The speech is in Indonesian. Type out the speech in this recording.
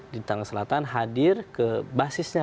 di tange selatan hadir ke basisnya